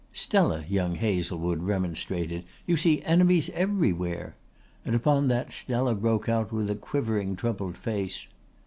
"Stella," young Hazlewood remonstrated, "you see enemies everywhere," and upon that Stella broke out with a quivering troubled face.